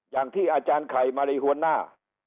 อย่างที่อาจารย์ไข่มารีหัวหน้า